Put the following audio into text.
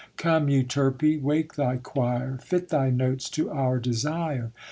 Come, Euterpe, wake thy choir; Fit thy notes to our desire.